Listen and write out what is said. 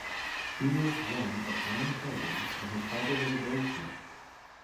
He was one of nine children and his father was a goldsmith.